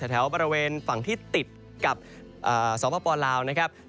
แถวบริเวณฝั่งที่ติดกับสปลาวนะครับ